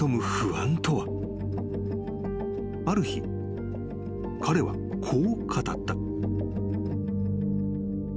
［ある日彼はこう語った］